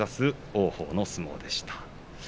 王鵬の相撲でした。